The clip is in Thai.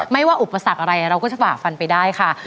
ไม่ว่าอุปสรรคอะไรเราก็จะฝ่าฟันไปได้ค่ะ